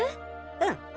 うん。